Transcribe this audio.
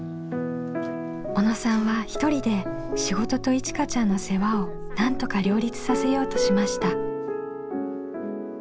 小野さんは一人で仕事といちかちゃんの世話をなんとか両立させようとしました。